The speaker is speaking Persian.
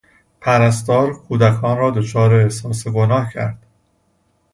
پرستار کودکان را دچار احساس گناه کرد.